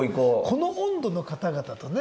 この温度の方々とね。